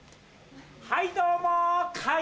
はいどうも！